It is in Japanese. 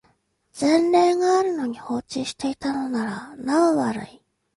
前例があるのに放置していたのならなお悪い